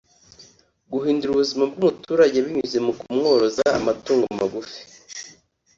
guhindura ubuzima bw’umuturage binyuze mu kumworoza amatungo magufi